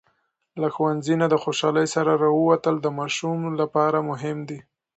له ښوونځي نه د خوشالۍ سره راووتل د ماشوم لپاره مهم دی.